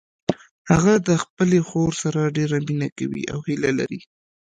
هغه د خپلې خور سره ډیره مینه کوي او هیله لري